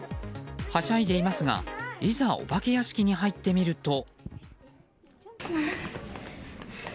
はしゃいでいますがいざお化け屋敷に入ってみると。